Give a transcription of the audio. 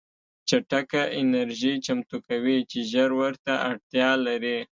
چټکه انرژي چمتو کوي چې ژر ورته اړتیا لري